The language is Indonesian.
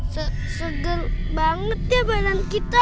se segar banget ya badan kita